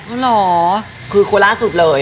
อ๋อเหรอคือโคล่าสุดเลย